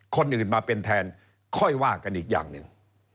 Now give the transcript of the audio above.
คนอื่นมาเป็นแทนค่อยว่ากันอีกอย่างหนึ่ง